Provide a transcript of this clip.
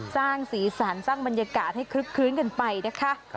สร้างสีสันสร้างบรรยากาศให้คลึกคลื้นกันไปนะคะ